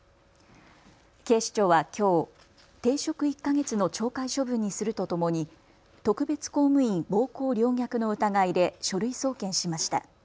警視庁はきょう、停職１か月の懲戒処分にするとともに特別公務員暴行陵虐の疑いで書類送検しました。